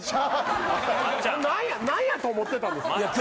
松ちゃん！何やと思ってたんです？